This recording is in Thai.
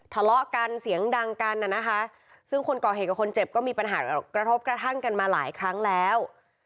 ทะเลาะกันเสียงดังกันน่ะนะคะซึ่งคนก่อเหตุกับคนเจ็บก็มีปัญหากระทบกระทั่งกันมาหลายครั้งแล้ว